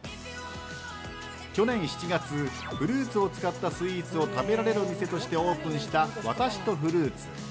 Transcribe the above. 去年７月フルーツを使ったスイーツを食べられる店としてオープンした私とフルーツ。